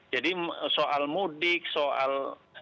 jadi soal mudik soal